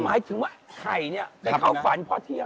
หมายถึงว่าไข่เนี่ยไปเข้าฝันพ่อเทียบ